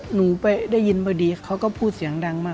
หนูไปได้ยินพอดีเขาก็พูดเสียงดังมาก